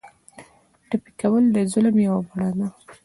ټپي کول د ظلم یوه بڼه ده.